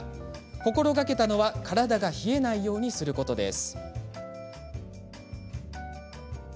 心がけたのは体が冷えないようにすることです。